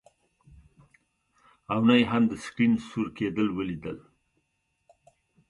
او نه یې هم د سکرین سور کیدل ولیدل